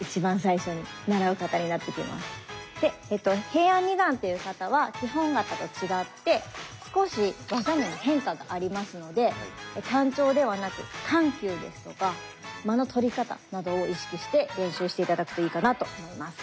平安二段っていう形は基本形と違って少し技にも変化がありますので単調ではなく緩急ですとか間の取り方などを意識して練習して頂くといいかなと思います。